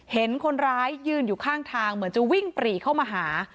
เห็นคนร้ายยืนอยู่ข้างทางเหมือนจะวิ่งปรีเข้ามาหา